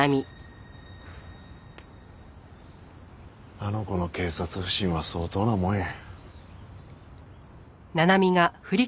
あの子の警察不信は相当なもんや。